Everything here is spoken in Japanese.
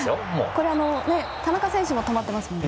これは田中選手も止まっていますもんね。